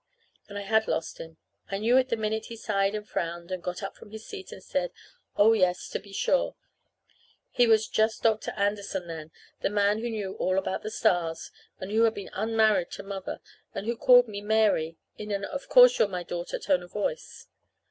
And I had lost him. I knew it the minute he sighed and frowned and got up from his seat and said, oh, yes, to be sure. He was just Dr. Anderson then the man who knew all about the stars, and who had been unmarried to Mother, and who called me "Mary" in an of course you're my daughter tone of voice.